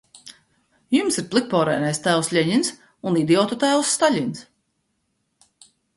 Jums ir plikpaurainais tēvs Ļeņins un idiotu tēvs Staļins.